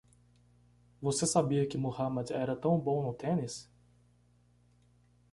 Você sabia que Muhammad era tão bom no tênis?